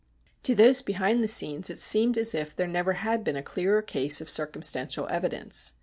To those behind the scenes it seemed as if there never had been a clearer case of circumstantial evidence.